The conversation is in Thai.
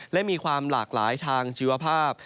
และมีความหลากหลายทางชีวภาพ